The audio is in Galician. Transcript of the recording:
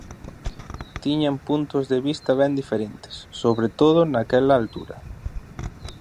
Tiñan puntos de vista ben diferentes, sobre todo naquela altura.